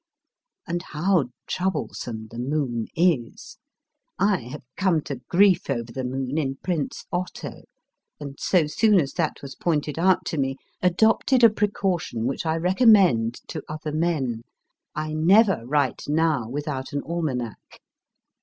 And how troublesome the moon is ! I have come to grief over the moon in Prince Otto, and so soon as that was pointed out to me, adopted a precaution which I recommend to other men I never write now without an almanack.